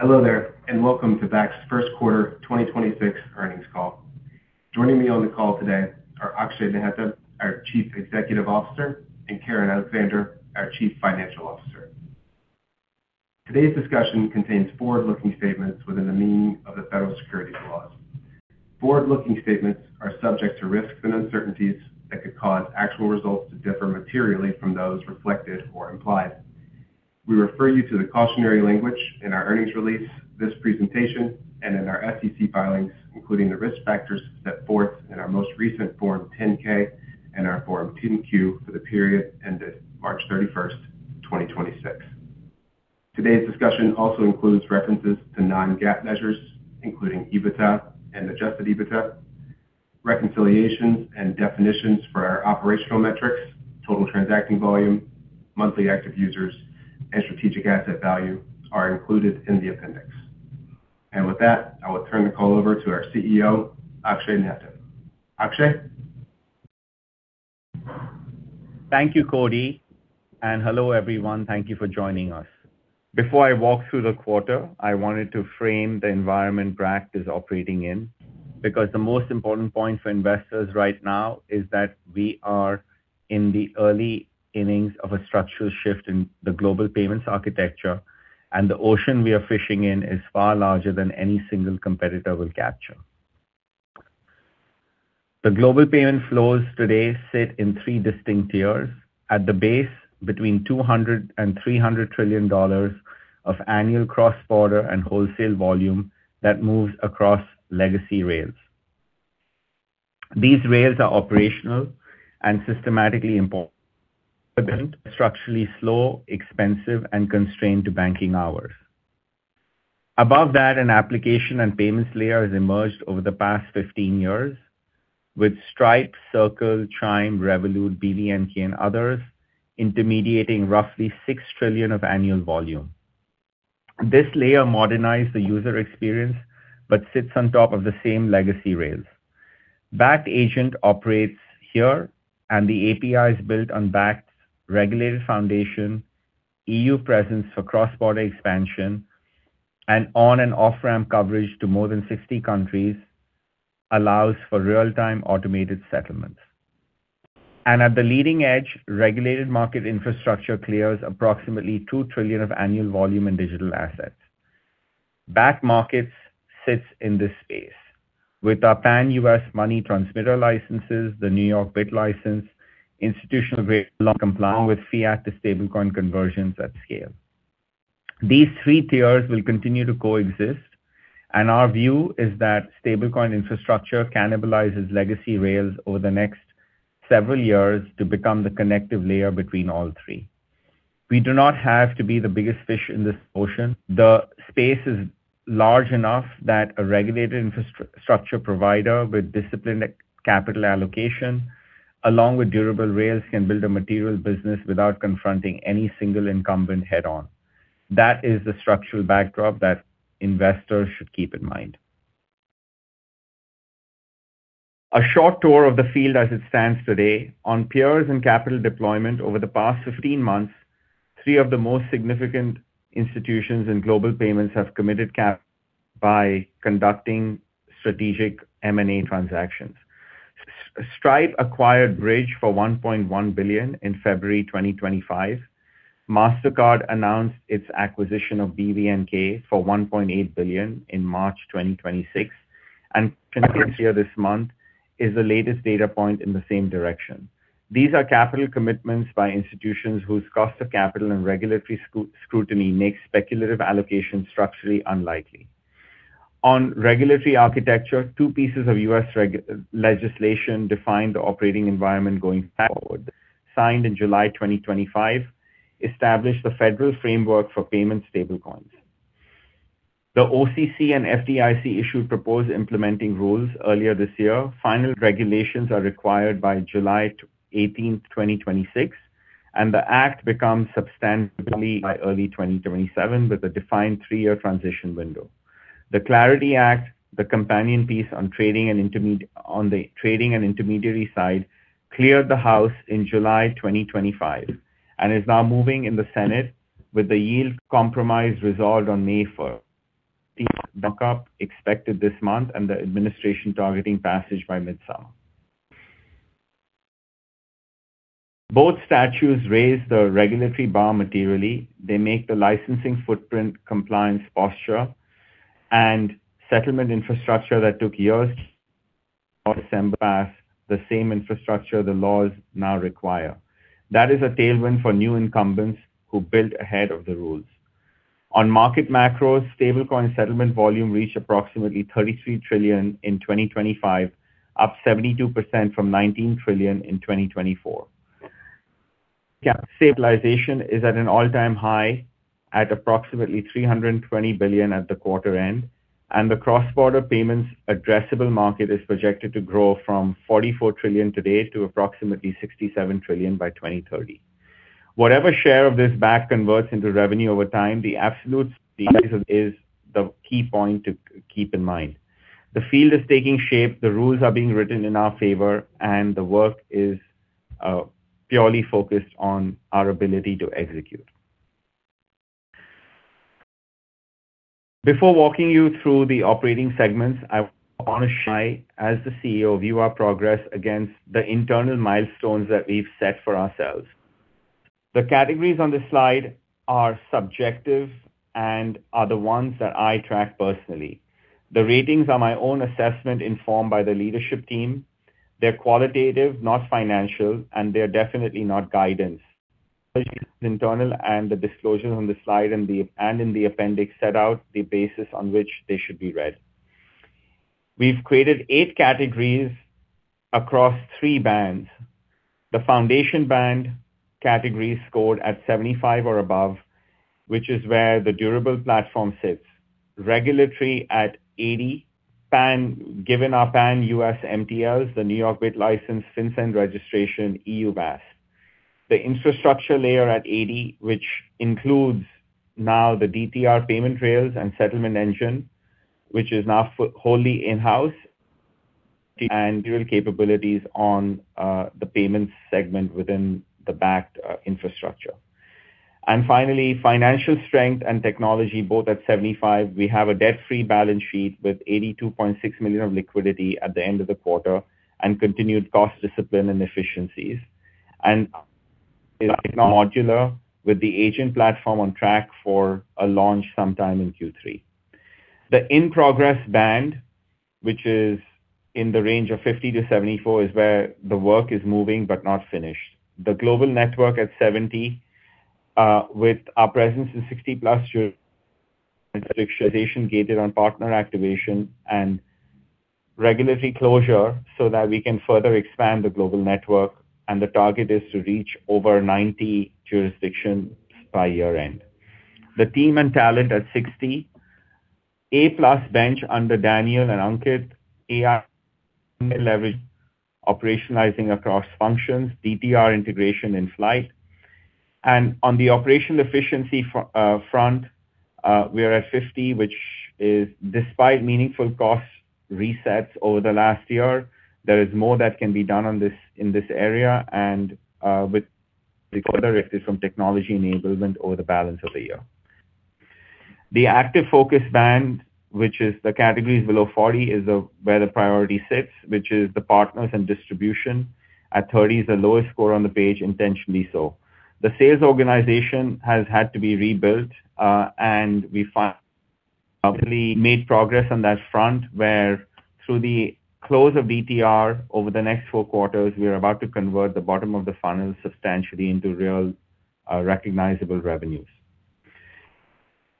Hello there, and welcome to Bakkt's first quarter 2026 earnings call. Joining me on the call today are Akshay Naheta, our Chief Executive Officer, and Karen Alexander, our Chief Financial Officer. Today's discussion contains forward-looking statements within the meaning of the Federal Securities laws. Forward-looking statements are subject to risks and uncertainties that could cause actual results to differ materially from those reflected or implied. We refer you to the cautionary language in our earnings release, this presentation, and in our SEC filings, including the risk factors set forth in our most recent Form 10-K and our Form 10-Q for the period ended March 31st, 2026. Today's discussion also includes references to non-GAAP measures, including EBITDA and adjusted EBITDA. Reconciliations and definitions for our operational metrics, Total Transacting Volume, Monthly Active Users, and strategic asset value are included in the appendix. With that, I will turn the call over to our CEO, Akshay Naheta. Akshay? Thank you, Cody, and hello, everyone. Thank you for joining us. Before I walk through the quarter, I wanted to frame the environment Bakkt is operating in because the most important point for investors right now is that we are in the early innings of a structural shift in the global payments architecture, and the ocean we are fishing in is far larger than any single competitor will capture. The global payment flows today sit in three distinct tiers. At the base, between $200 trillion-$300 trillion of annual cross-border and wholesale volume that moves across legacy rails. These rails are operational and systematically important, structurally slow, expensive, and constrained to banking hours. Above that, an application and payments layer has emerged over the past 15 years with Stripe, Circle, Chime, Revolut, BVNK, and others intermediating roughly $6 trillion of annual volume. This layer modernized the user experience but sits on top of the same legacy rails. Bakkt Agent operates here, and the API is built on Bakkt's regulated foundation, EU presence for cross-border expansion, and on and off-ramp coverage to more than 60 countries allows for real-time automated settlements. At the leading edge, regulated market infrastructure clears approximately $2 trillion of annual volume in digital assets. Bakkt Markets sits in this space with our pan-U.S. money transmitter licenses, the New York BitLicense, institutional-grade compliance with fiat to stablecoin conversions at scale. These three tiers will continue to coexist, and our view is that stablecoin infrastructure cannibalizes legacy rails over the next several years to become the connective layer between all three. We do not have to be the biggest fish in this ocean. The space is large enough that a regulated infrastructure provider with disciplined capital allocation, along with durable rails, can build a material business without confronting any single incumbent head-on. That is the structural backdrop that investors should keep in mind. A short tour of the field as it stands today. On peers and capital deployment over the past 15 months, three of the most significant institutions in global payments have committed cap by conducting strategic M&A transactions. Stripe acquired Bridge for $1.1 billion in February 2025. Mastercard announced its acquisition of BVNK for $1.8 billion in March 2026. ConsenSys this month is the latest data point in the same direction. These are capital commitments by institutions whose cost of capital and regulatory scrutiny makes speculative allocation structurally unlikely. On regulatory architecture, two pieces of U.S. legislation define the operating environment going forward. Signed in July 2025, established the federal framework for payment stablecoins. The OCC and FDIC issued proposed implementing rules earlier this year. Final regulations are required by July 18th, 2026, and the act becomes substantively by early 2027 with a defined three year transition window. The CLARITY Act, the companion piece on trading and on the trading and intermediary side, cleared the House in July 2025 and is now moving in the Senate with the yield compromise resolved on May 1st. Markup expected this month and the administration targeting passage by mid-summer. Both statutes raise the regulatory bar materially. They make the licensing footprint compliance posture and settlement infrastructure that took years to assemble as the same infrastructure the laws now require. That is a tailwind for new incumbents who built ahead of the rules. On market macros, stablecoin settlement volume reached approximately $33 trillion in 2025, up 72% from $19 trillion in 2024. Cap stabilization is at an all-time high at approximately $320 billion at the quarter end, and the cross-border payments addressable market is projected to grow from $44 trillion today to approximately $67 trillion by 2030. Whatever share of this Bakkt converts into revenue over time, the absolute size is the key point to keep in mind. The field is taking shape, the rules are being written in our favor, and the work is purely focused on our ability to execute. Before walking you through the operating segments, I want to show you, as the CEO, view our progress against the internal milestones that we've set for ourselves. The categories on this slide are subjective and are the ones that I track personally. The ratings are my own assessment informed by the leadership team. They're qualitative, not financial, and they're definitely not guidance. Internal and the disclosure on the slide and in the appendix set out the basis on which they should be read. We've created eight categories across three bands. The foundation band categories scored at 75 or above, which is where the durable platform sits. Regulatory at 80 band, given our U.S. MTLs, the New York BitLicense, FinCEN registration, EU VASP. The infrastructure layer at 80, which includes now the DTR payment rails and settlement engine, which is now wholly in-house. Dual capabilities on the payments segment within the Bakkt infrastructure. Finally, financial strength and technology both at 75. We have a debt-free balance sheet with $82.6 million of liquidity at the end of the quarter and continued cost discipline and efficiencies. Modular with the Bakkt Agent platform on track for a launch sometime in Q3. The in-progress band, which is in the range of 50-74, is where the work is moving but not finished. The global network at 70, with our presence in 60+ jurisdictions, gated on partner activation and regulatory closure so that we can further expand the global network. The target is to reach over 90 jurisdictions by year-end. The team and talent at 60. A+ bench under Daniel and Ankit. AI leverage operationalizing across functions, DTR integration in flight. On the operational efficiency front, we are at 50, which is despite meaningful cost resets over the last year, there is more that can be done on this, in this area and, with further assistance from technology enablement over the balance of the year. The active focus band, which is the categories below 40, is where the priority sits, which is the partners and distribution. At 30 is the lowest score on the page intentionally so. The sales organization has had to be rebuilt, and we made progress on that front, where through the close of DTR over the next four quarters, we are about to convert the bottom of the funnel substantially into real, recognizable revenues.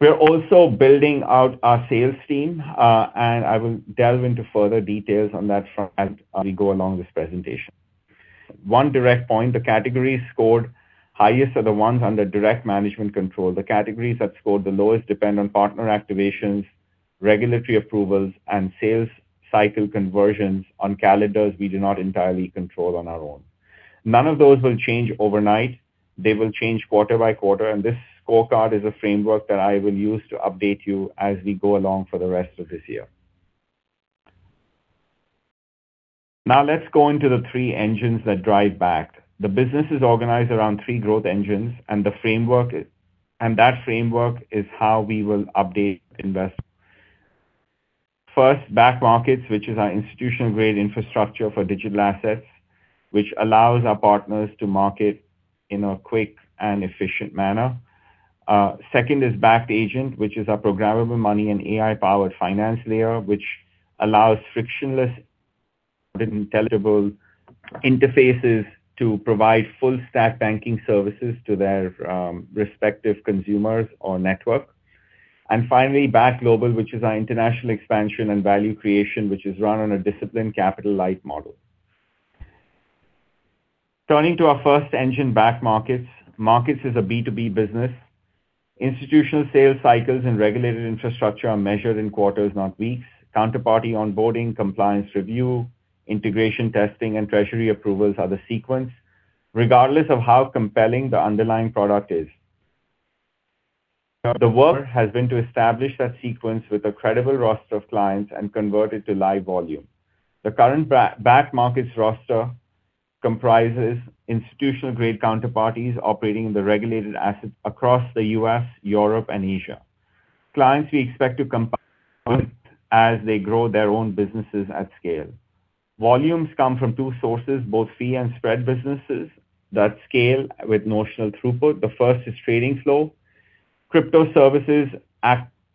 We're also building out our sales team, and I will delve into further details on that front as we go along this presentation. One direct point, the categories scored highest are the ones under direct management control. The categories that scored the lowest depend on partner activations, regulatory approvals, and sales cycle conversions on calendars we do not entirely control on our own. None of those will change overnight. They will change quarter-by-quarter, and this scorecard is a framework that I will use to update you as we go along for the rest of this year. Let's go into the three engines that drive Bakkt. The business is organized around three growth engines and that framework is how we will update invest. Bakkt Markets, which is our institutional-grade infrastructure for digital assets, which allows our partners to market in a quick and efficient manner. Second is Bakkt Agent, which is our programmable money and AI-powered finance layer, which allows frictionless, intelligible interfaces to provide full-stack banking services to their respective consumers or network. Finally, Bakkt Global, which is our international expansion and value creation, which is run on a disciplined capital-light model. Turning to our first engine, Bakkt Markets. Bakkt Markets is a B2B business. Institutional sales cycles and regulated infrastructure are measured in quarters, not weeks. Counterparty onboarding, compliance review, integration testing, and treasury approvals are the sequence regardless of how compelling the underlying product is. The work has been to establish that sequence with a credible roster of clients and convert it to live volume. The current Bakkt Markets roster comprises institutional-grade counterparties operating the regulated assets across the U.S., Europe, and Asia. Clients we expect to come on board as they grow their own businesses at scale. Volumes come from two sources, both fee and spread businesses that scale with notional throughput. The first is trading flow. Crypto services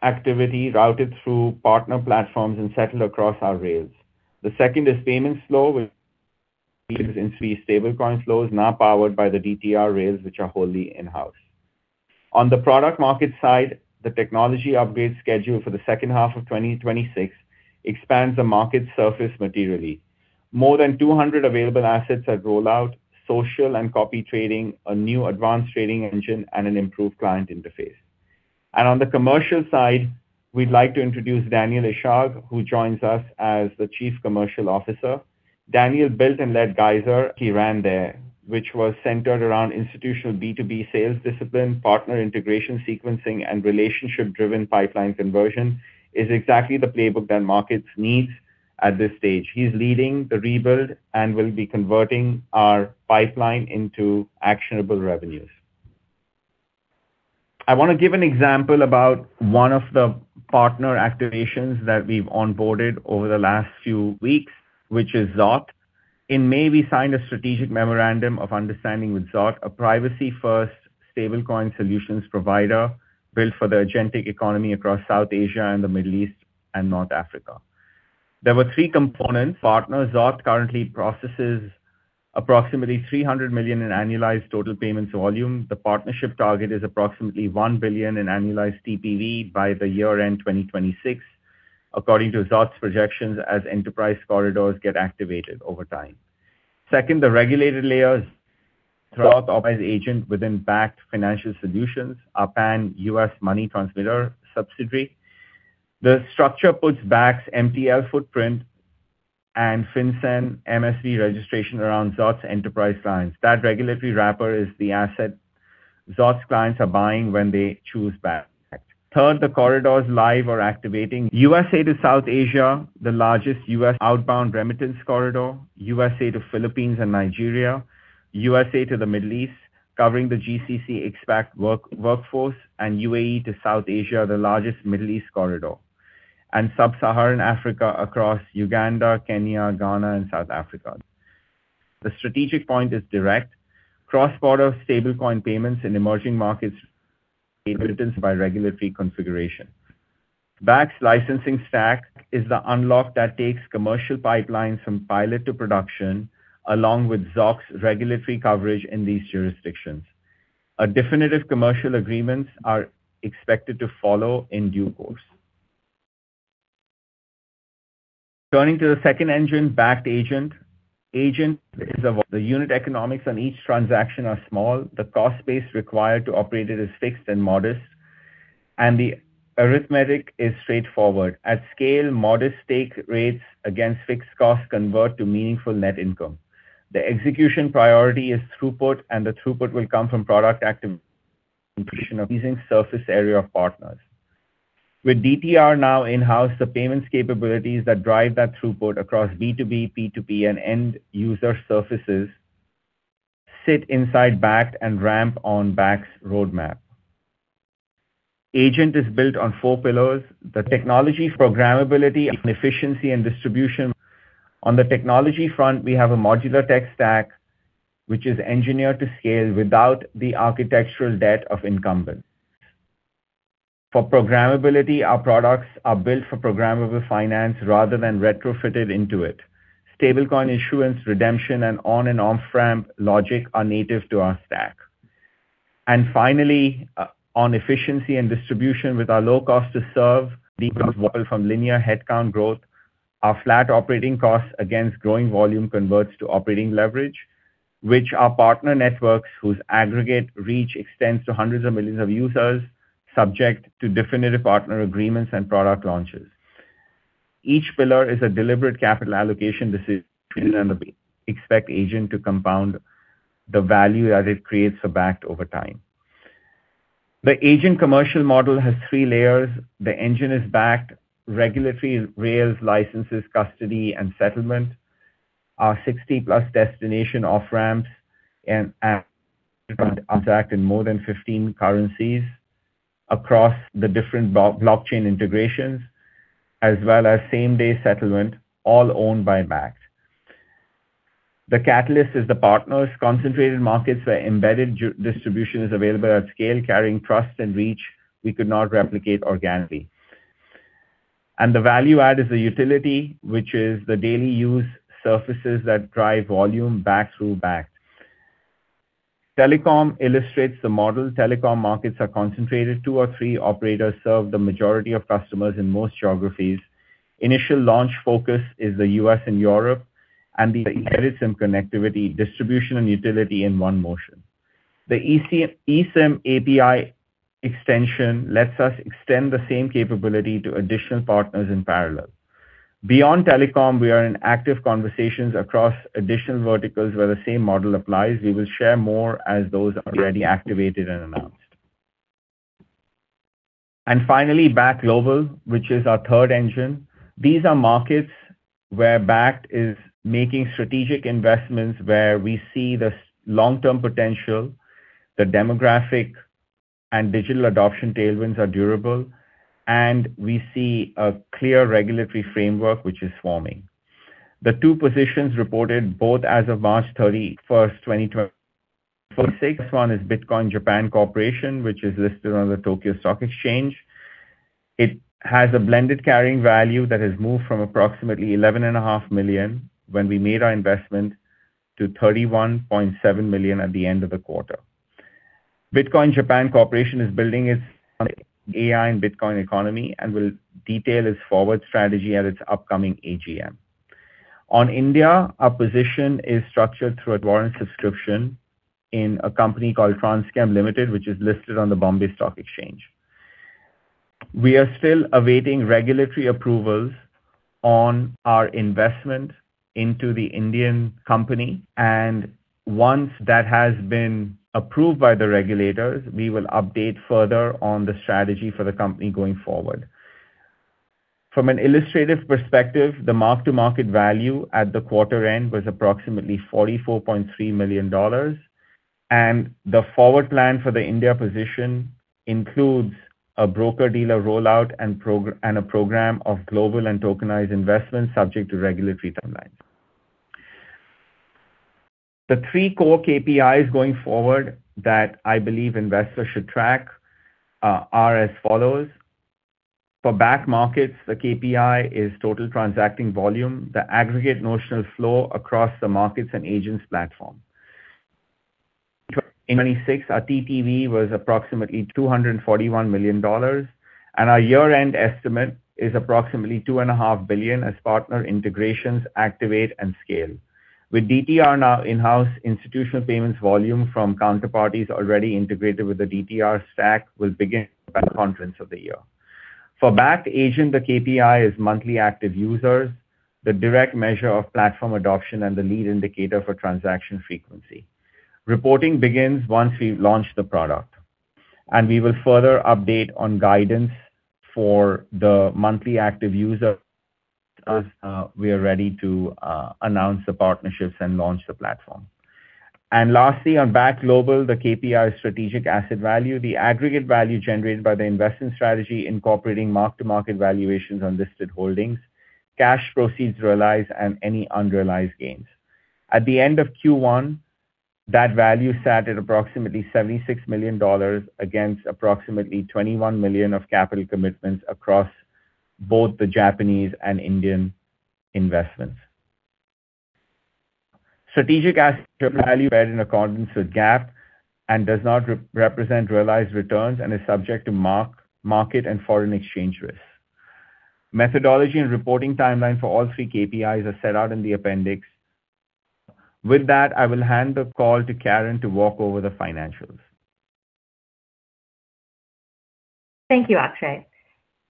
activity routed through partner platforms and settled across our rails. The second is payments flow, which in three stablecoin flows now powered by the DTR rails, which are wholly in-house. On the product market side, the technology upgrade schedule for the second half of 2026 expands the market surface materially. More than 200 available assets at rollout, social and copy trading, a new advanced trading engine, and an improved client interface. On the commercial side, we'd like to introduce Daniel Ishak, who joins us as the Chief Commercial Officer. Daniel built and led Geyser. He ran there, which was centered around institutional B2B sales discipline, partner integration sequencing, and relationship-driven pipeline conversion, is exactly the playbook that Markets needs at this stage. He's leading the rebuild and will be converting our pipeline into actionable revenues. I want to give an example about one of the partner activations that we've onboarded over the last few weeks, which is Zoth. In May, we signed a strategic memorandum of understanding with Zoth, a privacy-first stablecoin solutions provider built for the agentic economy across South Asia and the Middle East and North Africa. There were three components. Partner Zoth currently processes approximately $300 million in annualized total payments volume. The partnership target is approximately $1 billion in annualized TPV by the year-end 2026, according to Zoth's projections as enterprise corridors get activated over time. Second, the regulated layers throughout operate agent within Bakkt Financial Solutions, our pan-U.S. money transmitter subsidiary. The structure puts Bakkt's MTL footprint and FinCEN MSB registration around Zoth's enterprise clients. That regulatory wrapper is the asset Zoth's clients are buying when they choose Bakkt. Third, the corridors live or activating USA to South Asia, the largest U.S. outbound remittance corridor, USA to Philippines and Nigeria, USA to the Middle East, covering the GCC expat workforce, and UAE to South Asia, the largest Middle East corridor, and sub-Saharan Africa across Uganda, Kenya, Ghana, and South Africa. The strategic point is direct cross-border stablecoin payments in emerging markets remittance by regulatory configuration. Bakkt's licensing stack is the unlock that takes commercial pipelines from pilot to production along with Zoth's regulatory coverage in these jurisdictions. A definitive commercial agreements are expected to follow in due course. Turning to the second engine, Bakkt Agent. Agent is the unit economics on each transaction are small. The cost base required to operate it is fixed and modest, and the arithmetic is straightforward. At scale, modest take rates against fixed costs convert to meaningful net income. The execution priority is throughput, and the throughput will come from product activation increasing surface area of partners. With DTR now in-house, the payments capabilities that drive that throughput across B2B, P2P, and end user surfaces sit inside Bakkt and ramp on Bakkt's roadmap. Agent is built on four pillars. The technology, programmability, and efficiency, and distribution. On the technology front, we have a modular tech stack which is engineered to scale without the architectural debt of incumbents. For programmability, our products are built for programmable finance rather than retrofitted into it. Stablecoin issuance, redemption, and on and off-ramp logic are native to our stack. Finally, on efficiency and distribution with our low cost to serve decoupled from linear headcount growth, our flat operating costs against growing volume converts to operating leverage, which our partner networks, whose aggregate reach extends to hundreds of millions of users, subject to definitive partner agreements and product launches. Each pillar is a deliberate capital allocation decision. We expect Agent to compound the value that it creates for Bakkt over time. The Agent commercial model has three layers. The engine is Bakkt. Regulatory rails, licenses, custody, and settlement. Our 60+ destination off-ramps and interact in more than 15 currencies across the different blockchain integrations, as well as same-day settlement, all owned by Bakkt. The catalyst is the partners. Concentrated markets where embedded distribution is available at scale, carrying trust and reach we could not replicate organically. The value add is the utility, which is the daily use surfaces that drive volume back through Bakkt. Telecom illustrates the model. Telecom markets are concentrated. Two or three operators serve the majority of customers in most geographies. Initial launch focus is the U.S. and Europe, the embedded SIM connectivity, distribution, and utility in one motion. The eSIM API extension lets us extend the same capability to additional partners in parallel. Beyond telecom, we are in active conversations across additional verticals where the same model applies. We will share more as those are ready, activated, and announced. Finally, Bakkt Global, which is our third engine. These are markets where Bakkt is making strategic investments, where we see the long-term potential, the demographic and digital adoption tailwinds are durable, and we see a clear regulatory framework which is forming. The two positions reported both as of March 31st, 2026. One is Bitcoin Japan Corporation, which is listed on the Tokyo Stock Exchange. It has a blended carrying value that has moved from approximately $11.5 million when we made our investment to $31.7 million at the end of the quarter. Bitcoin Japan Corporation is building its AI and Bitcoin economy and will detail its forward strategy at its upcoming AGM. On India, our position is structured through a warrant subscription in a company called Transchem Limited, which is listed on the Bombay Stock Exchange. We are still awaiting regulatory approvals on our investment into the Indian company. Once that has been approved by the regulators, we will update further on the strategy for the company going forward. From an illustrative perspective, the mark-to-market value at the quarter end was approximately $44.3 million. The forward plan for the India position includes a broker-dealer rollout and a program of global and tokenized investments subject to regulatory timelines. The three core KPIs going forward that I believe investors should track are as follows. For Bakkt Markets, the KPI is Total Transacting Volume, the aggregate notional flow across the markets and Agents platform. In 2026, our TTV was approximately $241 million, and our year-end estimate is approximately $2.5 billion as partner integrations activate and scale. With DTR now in-house, institutional payments volume from counterparties already integrated with the DTR stack will begin by the conference of the year. For Bakkt Agent, the KPI is Monthly Active Users, the direct measure of platform adoption, and the lead indicator for transaction frequency. Reporting begins once we've launched the product, and we will further update on guidance for the Monthly Active User as we are ready to announce the partnerships and launch the platform. Lastly, on Bakkt Global, the KPI strategic asset value, the aggregate value generated by the investment strategy incorporating mark-to-market valuations on listed holdings, cash proceeds realized, and any unrealized gains. At the end of Q1, that value sat at approximately $76 million against approximately $21 million of capital commitments across both the Japanese and Indian investments. Strategic asset value read in accordance with GAAP and does not represent realized returns and is subject to market and foreign exchange risks. Methodology and reporting timeline for all three KPIs are set out in the appendix. With that, I will hand the call to Karen to walk over the financials. Thank you, Akshay.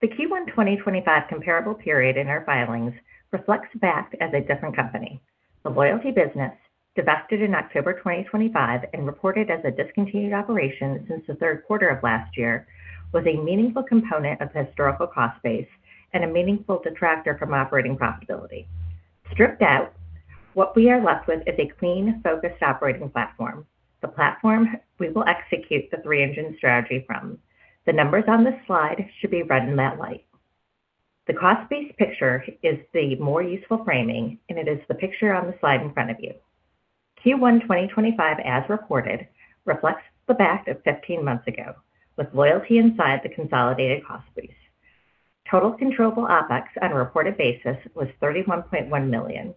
The Q1 2025 comparable period in our filings reflects Bakkt as a different company. The loyalty business, divested in October 2025 and reported as a discontinued operation since the third quarter of last year, was a meaningful component of the historical cost base and a meaningful detractor from operating profitability. Stripped out, what we are left with is a clean, focused operating platform. The platform we will execute the three-engine strategy from. The numbers on this slide should be read in that light. The cost-based picture is the more useful framing, and it is the picture on the slide in front of you. Q1 2025, as reported, reflects the Bakkt of 15 months ago, with loyalty inside the consolidated cost base. Total controllable OpEx on a reported basis was $31.1 million.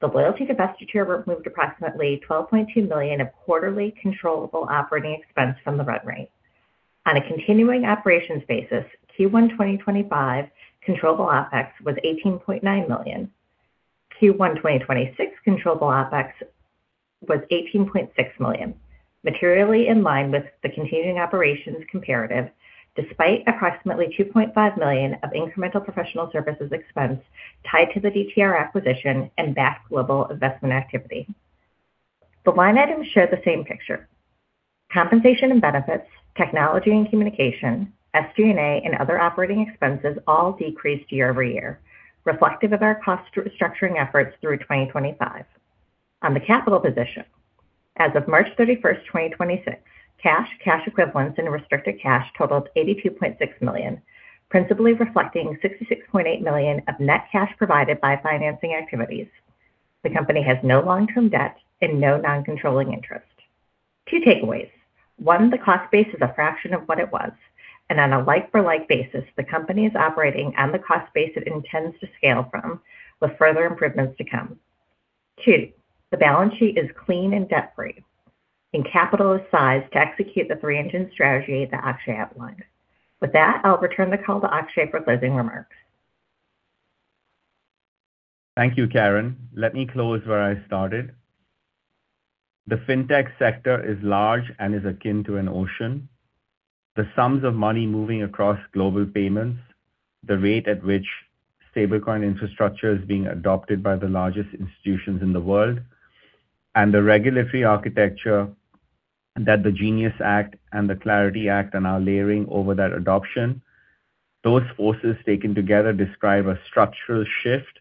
The loyalty divestiture removed approximately $12.2 million of quarterly controllable operating expense from the run rate. On a continuing operations basis, Q1 2025 controllable OpEx was $18.9 million. Q1 2026 controllable OpEx was $18.6 million, materially in line with the continuing operations comparative, despite approximately $2.5 million of incremental professional services expense tied to the DTR acquisition and Bakkt Global investment activity. The line items share the same picture. Compensation and benefits, technology and communication, SG&A, and other operating expenses all decreased year-over-year, reflective of our cost restructuring efforts through 2025. On the capital position, as of March 31st, 2026, cash equivalents, and restricted cash totaled $82.6 million, principally reflecting $66.8 million of net cash provided by financing activities. The company has no long-term debt and no non-controlling interest. Two takeaways. One, the cost base is a fraction of what it was, and on a like-for-like basis, the company is operating on the cost base it intends to scale from with further improvements to come. Two, the balance sheet is clean and debt-free, and capital is sized to execute the three engine strategy that Akshay outlined. With that, I'll return the call to Akshay for closing remarks. Thank you, Karen. Let me close where I started. The fintech sector is large and is akin to an ocean. The sums of money moving across global payments, the rate at which stablecoin infrastructure is being adopted by the largest institutions in the world, and the regulatory architecture that the GENIUS Act and the CLARITY Act are now layering over that adoption, those forces taken together describe a structural shift,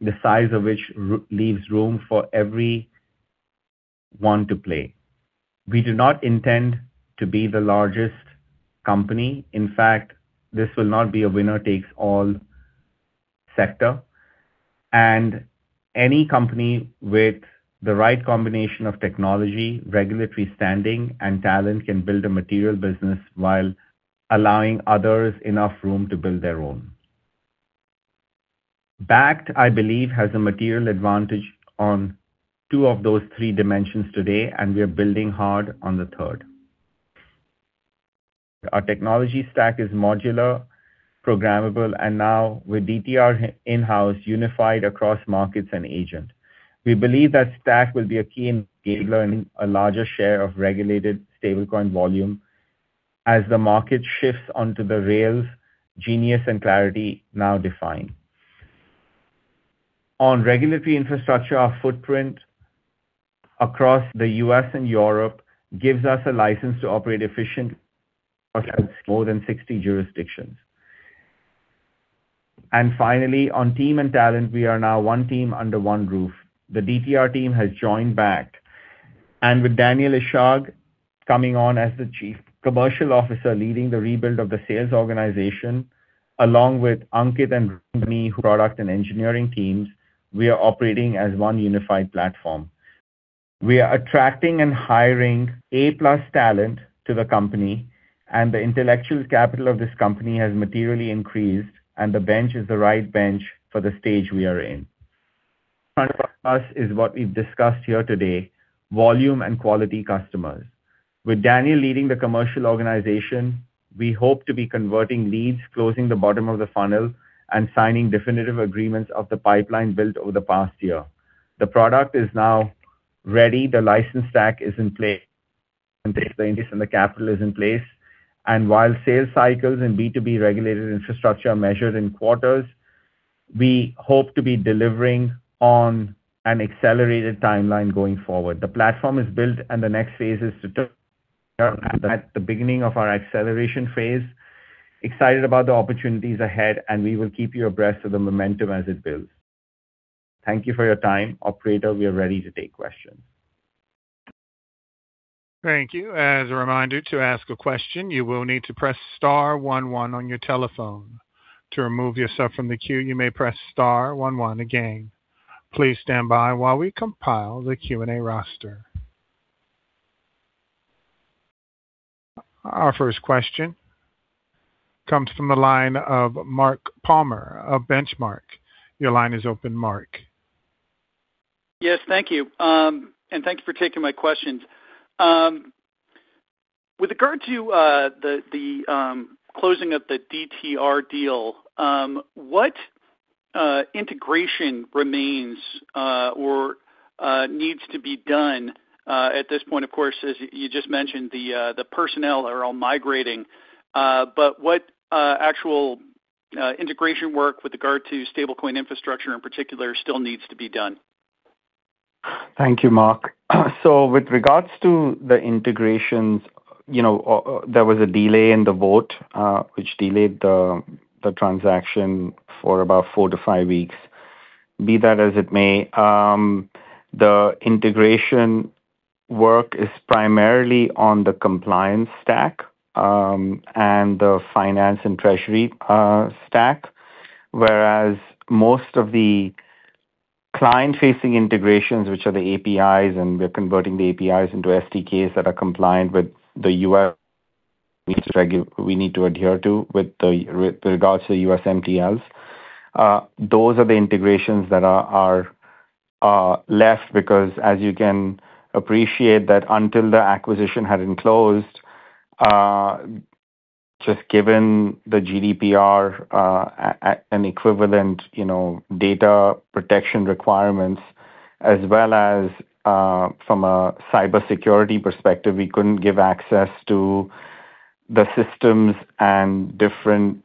the size of which leaves room for everyone to play. We do not intend to be the largest company. This will not be a winner-takes-all sector. Any company with the right combination of technology, regulatory standing, and talent can build a material business while allowing others enough room to build their own. Bakkt, I believe, has a material advantage on two of those three dimensions today, and we are building hard on the third. Our technology stack is modular, programmable, and now with DTR in-house, unified across markets and Agent. We believe that stack will be a key enabler in a larger share of regulated stablecoin volume as the market shifts onto the rails GENIUS and CLARITY now define. On regulatory infrastructure, our footprint across the U.S. and Europe gives us a license to operate efficiently more than 60 jurisdictions. Finally, on team and talent, we are now one team under one roof. The DTR team has joined Bakkt. With Daniel Ishak coming on as the Chief Commercial Officer, leading the rebuild of the sales organization, along with Ankit and me, product and engineering teams, we are operating as one unified platform. We are attracting and hiring A+ talent to the company. The intellectual capital of this company has materially increased. The bench is the right bench for the stage we are in. In front of us is what we've discussed here today, volume and quality customers. With Daniel leading the commercial organization, we hope to be converting leads, closing the bottom of the funnel, and signing definitive agreements of the pipeline built over the past year. The product is now ready, the license stack is in place. The capital is in place. While sales cycles and B2B regulated infrastructure are measured in quarters, we hope to be delivering on an accelerated timeline going forward. The platform is built. At the beginning of our acceleration phase. Excited about the opportunities ahead, and we will keep you abreast of the momentum as it builds. Thank you for your time. Operator, we are ready to take questions. Thank you. As a reminder, to ask a question, you will need to press star one one on your telephone. To remove yourself from the queue, you may press star one one again. Please stand by while we compile the Q&A roster. Our first question comes from the line of Mark Palmer of Benchmark. Your line is open, Mark. Yes, thank you. Thank you for taking my questions. With regard to the closing of the DTR deal, what integration remains or needs to be done at this point? Of course, as you just mentioned, the personnel are all migrating. But what actual integration work with regard to stablecoin infrastructure in particular still needs to be done? Thank you, Mark. With regards to the integrations, you know, there was a delay in the vote, which delayed the transaction for about four to five weeks. Be that as it may, the integration work is primarily on the compliance stack and the finance and treasury stack. Whereas most of the client-facing integrations, which are the APIs, and we're converting the APIs into SDKs that are compliant with the U.S. We need to adhere to with the regards to the U.S. MTLs. Those are the integrations that are left because as you can appreciate that until the acquisition hadn't closed, just given the GDPR, an equivalent, you know, data protection requirements, as well as from a cybersecurity perspective, we couldn't give access to the systems and different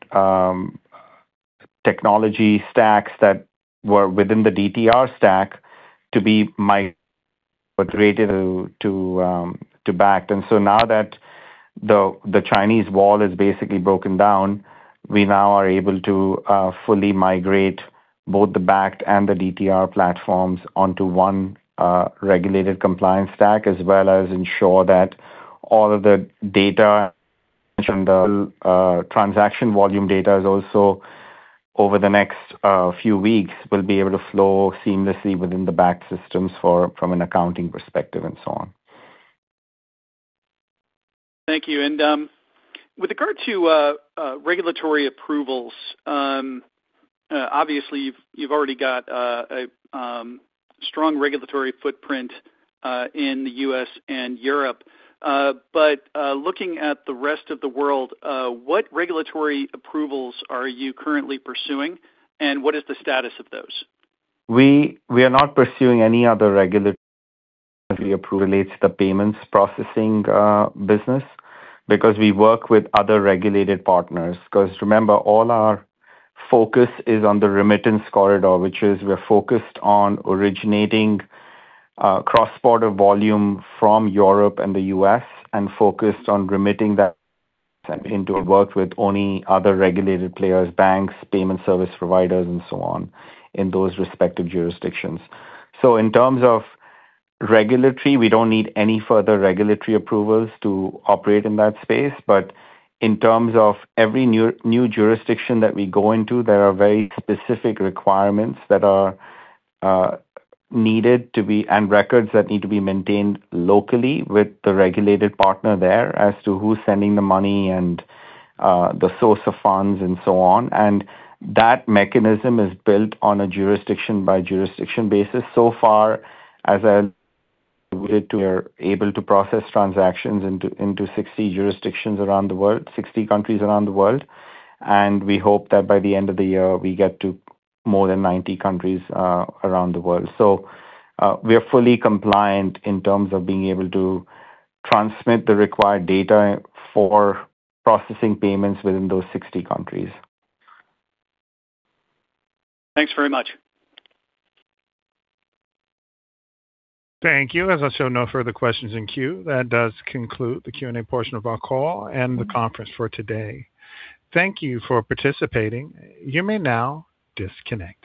technology stacks that were within the DTR stack to be migrated to Bakkt. Now that the Chinese wall is basically broken down, we now are able to fully migrate both the Bakkt and the DTR platforms onto one regulated compliance stack as well as ensure that all of the data and the transaction volume data is also over the next few weeks, will be able to flow seamlessly within the Bakkt systems from an accounting perspective and so on. Thank you. With regard to regulatory approvals, obviously, you've already got a strong regulatory footprint in the U.S. and Europe. Looking at the rest of the world, what regulatory approvals are you currently pursuing, and what is the status of those? We are not pursuing any other regulatory approval relates to payments processing business because we work with other regulated partners. Remember, all our focus is on the remittance corridor, which is we're focused on originating cross-border volume from Europe and the U.S. and focused on remitting that into work with only other regulated players, banks, payment service providers, and so on in those respective jurisdictions. In terms of regulatory, we don't need any further regulatory approvals to operate in that space. In terms of every new jurisdiction that we go into, there are very specific requirements that are needed to be. Records that need to be maintained locally with the regulated partner there as to who's sending the money and the source of funds and so on. That mechanism is built on a jurisdiction by jurisdiction basis. So far, We're able to process transactions into 60 jurisdictions around the world, 60 countries around the world. We hope that by the end of the year, we get to more than 90 countries around the world. We are fully compliant in terms of being able to transmit the required data for processing payments within those 60 countries. Thanks very much. Thank you. As I show no further questions in queue, that does conclude the Q&A portion of our call and the conference for today. Thank you for participating. You may now disconnect.